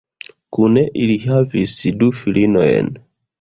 Kune ili havis du filinojn.